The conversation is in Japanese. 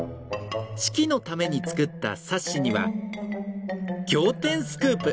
式のために作った冊子には「仰天スクープ